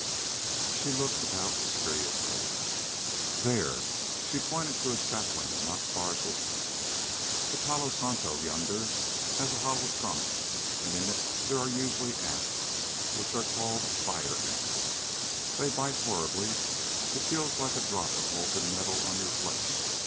She looked about seriously. "There." She pointed to a sapling not far distant. "The palo santo yonder has a hollow trunk, and in it there are usually ants, which are called fire ants. They bite horribly. It feels like a drop of molten metal on your flesh.